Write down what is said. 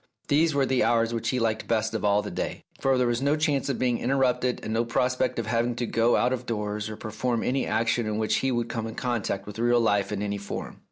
These were the hours which he liked best of all the day, for there was no chance of being interrupted and no prospect of having to go out of doors or perform any action in which he would come in contact with real life in any form.